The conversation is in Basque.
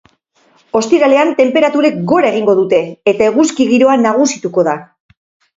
Ostiralean tenperaturek gora egingo dute eta eguzki giroa nagusituko da.